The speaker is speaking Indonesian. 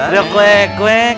eh sudah kwek kwek